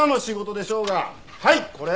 はいこれ。